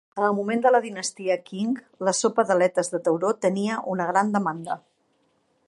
En el moment de la dinastia Qing, la sopa d'aletes de tauró tenia una gran demanda.